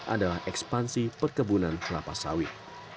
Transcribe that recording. adalah ekspansi perkebunan kelapa sawit